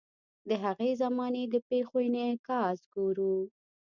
د هغې زمانې د پیښو انعکاس ګورو.